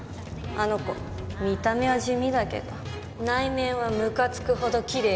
あの子見た目は地味だけど内面はむかつくほどきれいだから。